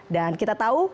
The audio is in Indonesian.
dan kita tahu